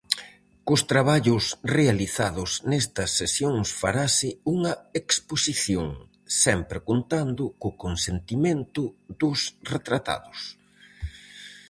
Cos traballos realizados nestas sesións farase unha exposición, sempre contando co consentimento dos retratados.